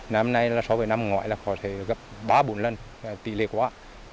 năm nay sáu bảy năm ngoại có thể gặp ba bốn lần tỷ lệ quá